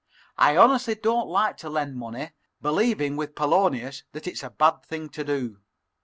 I honestly don't like to lend money, believing with Polonius that it's a bad thing to do.